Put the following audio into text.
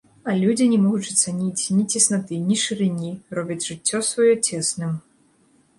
А людзі, не могучы цаніць ні цеснаты, ні шырыні, робяць жыццё сваё цесным.